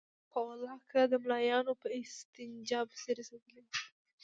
په والله که د ملايانو په استنجا پسې رسېدلي وای.